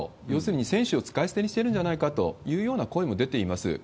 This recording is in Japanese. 要するに選手を使い捨てにしてるんじゃないかという声も出ています。